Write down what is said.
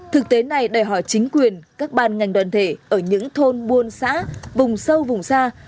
thực tế này đòi hỏi chính quyền các ban ngành đoàn thể ở những thôn buôn xã vùng sâu vùng xa